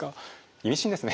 意味深ですね。